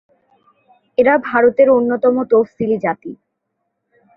এরা ভারতের অন্যতম তফসিলি জাতি।